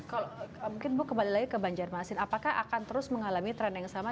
kalau mungkin bu kembali lagi ke banjarmasin apakah akan terus mengalami tren yang sama